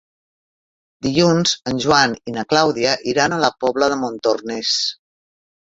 Dilluns en Joan i na Clàudia iran a la Pobla de Montornès.